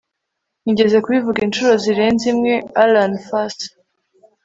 Nigeze kubivuga inshuro zirenze imwe AlanFUS